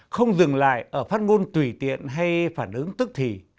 không dừng lại ở phát ngôn tùy tiện hay phản ứng tức thì